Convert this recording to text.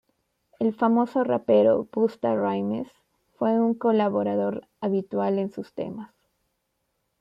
El famoso rapero Busta Rhymes fue un colaborador habitual en sus temas.